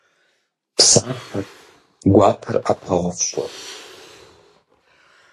Псапэр, гуапэр Iэпэгъу фщIы.